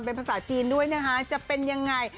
เป็นภาษาจีนด้วยนะคะจะเป็นยังไง